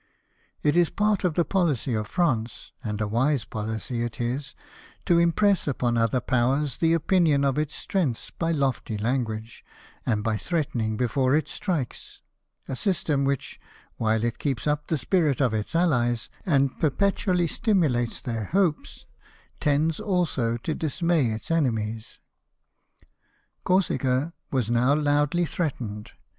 It is part of the policy of France — and a wise policy it is — to im press upon other Powers the opinion of its strength by lofty language, and by threatening before it strikes, a system which, while it keeps up the spirit of its allies, and perpetually stinmlates their hopes, tends also to dismay its enemies. Corsica was now loudly threat ened.